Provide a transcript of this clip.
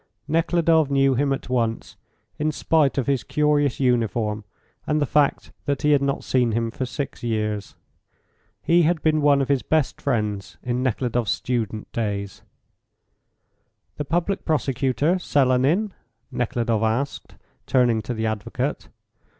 Nekhludoff knew him at once, in spite of his curious uniform and the fact that he had not seen him for six years. He had been one of his best friends in Nekhludoff's student days. "The public prosecutor Selenin?" Nekhludoff asked, turning to the advocate.